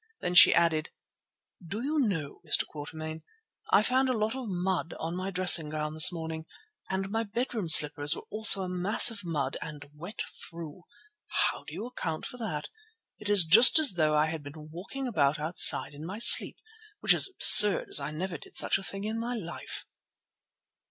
Then she added, "Do you know, Mr. Quatermain, I found a lot of mud on my dressing gown this morning, and my bedroom slippers were also a mass of mud and wet through. How do you account for that? It is just as though I had been walking about outside in my sleep, which is absurd, as I never did such a thing in my life."